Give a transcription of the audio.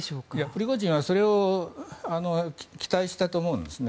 プリゴジンはそれを期待していると思うんですね。